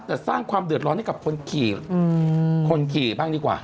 แต่สร้างความเดือดร้อนให้กับคนขี่คนขี่บ้างดีกว่า